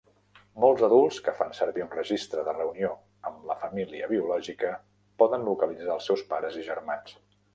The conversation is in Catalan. Molts adults que fan servir un registre de reunió amb la família biològica poden localitzar els seus pares i germans.